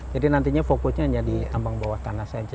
jadi nantinya fokusnya hanya di tambang bawah tanah saja